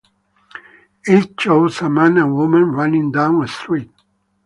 It shows a man and woman running down a street.